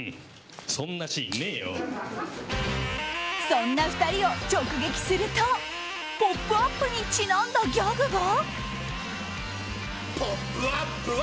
そんな２人を直撃すると「ポップＵＰ！」にちなんだギャグが。